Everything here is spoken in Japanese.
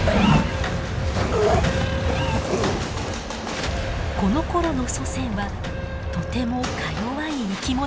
このころの祖先はとてもかよわい生き物でした。